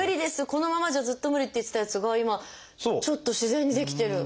このままじゃずっと無理」って言ってたやつが今ちょっと自然にできてる。